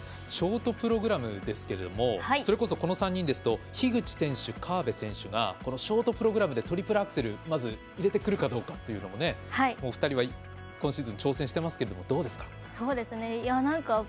ショートプログラムですがそれこそ、この３人ですと樋口選手、河辺選手がこのショートプログラムでトリプルアクセルまず入れてくるかどうかというのも、お二人は今シーズン挑戦していますがどうですか？